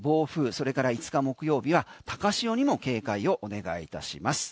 それから５日木曜日は高潮にも警戒をお願いいたします。